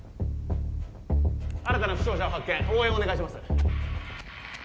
新たな負傷者を発見応援お願いします